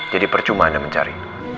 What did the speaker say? jadi percuma anda mencari